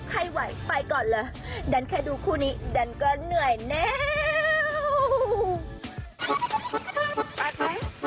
ให้ไหวไปก่อนละดันแค่ดูคู่นี้ดันก็เหนื่อยเนี่ยวววว